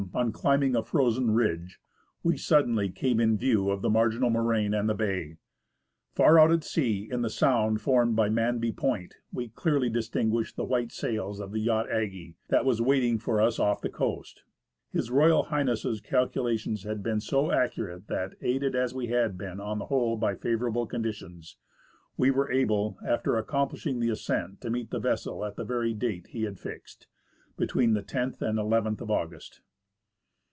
on climbing a frozen ridge, we suddenly came in view of the marginal moraine and the bay. Far out at sea, in the sound formed by Manby Point, we clearly distinguished the white sails of the yacht Aggie, that was waiting for us off the coast. H.R. H.'s calculations had been so accurate that, aided as we had been on the whole by favourable conditions, we were able, after accomplishing the ascent, to meet the vessel at the very date he had fixed — between the loth and i ith of August.